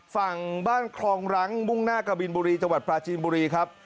ฝั่งบ้านคลองรังมุ่งหน้ากะบินบุรีจังหวัดปลาจีนบุรีครับ